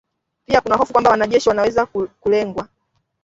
Pia kuna hofu kwamba wanajeshi wanaweza kulengwa